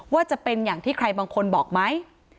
ว่าจะเป็นอย่างที่ใครบางคนบอกไหม